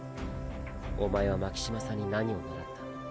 おまえは巻島さんに何を習った？